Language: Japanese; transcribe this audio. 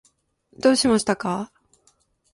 どうしましたか？